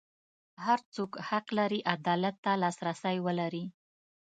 هر څوک حق لري عدالت ته لاسرسی ولري.